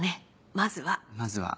まずは？